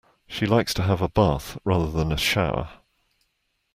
She likes to have a bath rather than a shower